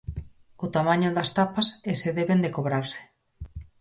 O tamaño das tapas e se deben de cobrarse.